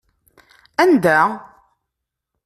Anda?